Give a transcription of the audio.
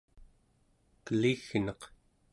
keligneq